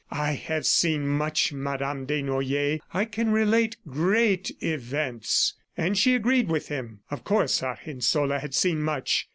"I have seen much, Madame Desnoyers. ... I can relate great events." And she agreed with him. Of course Argensola had seen much! ..